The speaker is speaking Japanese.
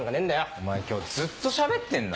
お前今日ずっとしゃべってんな。